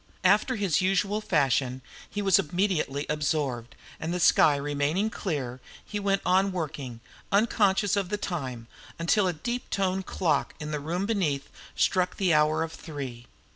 After his usual fashion, he was immediately absorbed, and the sky remaining clear, he went on working, unconscious of time, until a deep toned clock in the room beneath struck the hour of three.